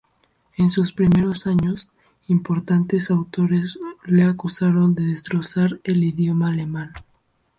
En sus primeros años, importantes autores le acusaron de "destrozar" el idioma alemán.